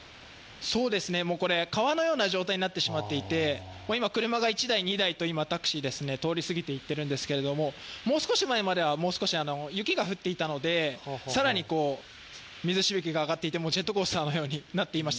川のような状態になってしまっていて、今、車が１台、２台と今タクシー、通り過ぎていってるんですけれども、もう少し前まではもう少し雪が降っていたので更に水しぶきが上がっていてジェットコースターのようになっていました。